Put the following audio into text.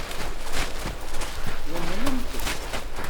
Ḍemnent-t.